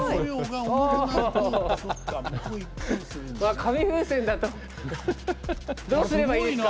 紙風船だとどうすればいいですか？